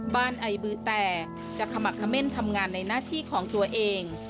ไอบือแต่จะขมักเม่นทำงานในหน้าที่ของตัวเอง